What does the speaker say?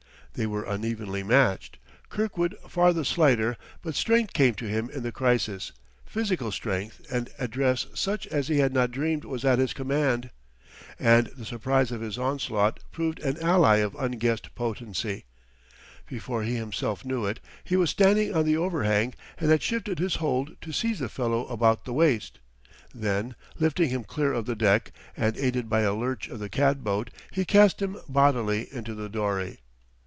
They were unevenly matched, Kirkwood far the slighter, but strength came to him in the crisis, physical strength and address such as he had not dreamed was at his command. And the surprise of his onslaught proved an ally of unguessed potency. Before he himself knew it he was standing on the overhang and had shifted his hold to seize the fellow about the waist; then, lifting him clear of the deck, and aided by a lurch of the cat boat, he cast him bodily into the dory.